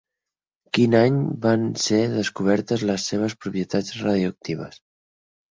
Quin any van ser descobertes les seves propietats radioactives?